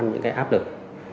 những cái áp lực